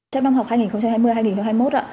trong năm học hai nghìn hai mươi hai nghìn hai mươi một ạ